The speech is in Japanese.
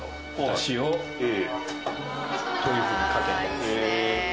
だしをこういうふうにかけて。